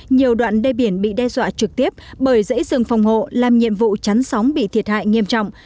nhiều đoạn đê biển bị đe dọa trực tiếp bởi dãy rừng phòng hộ làm nhiệm vụ chắn sóng bị thiệt hại nghiêm trọng